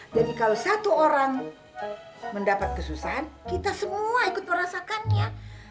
jadi kalau satu orang mendapat kesusahan kita semua ikut merasakannya